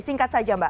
singkat saja mbak